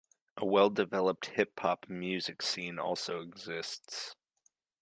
A well-developed hip hop music scene also exists.